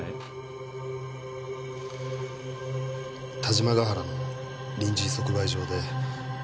田島ヶ原の臨時即売場で。